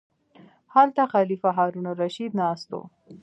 هلته خلیفه هارون الرشید ناست و.